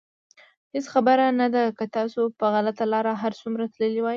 هېڅ خبره نه ده که تاسو په غلطه لاره هر څومره تللي وئ.